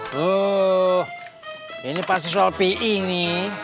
tuh ini pasti soal pi ini